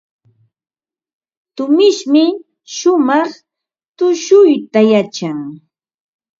Tumishmi shumaq tushuyta yachan.